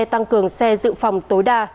tăng cường xe dự phòng tối đa